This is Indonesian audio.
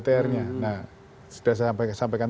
tr nya nah sudah saya sampaikan